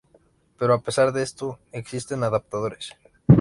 Pero a pesar de esto, existen adaptadores.